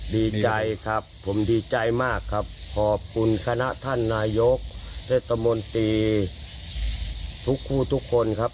ดีใจครับผมดีใจมากครับขอบคุณคณะท่านนายกเทศมนตรีทุกคู่ทุกคนครับ